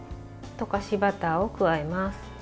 溶かしバターを加えます。